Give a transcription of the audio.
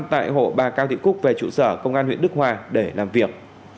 tại hộ bà cao thị cúc về trụ sở công an huyện đức hòa để làm việc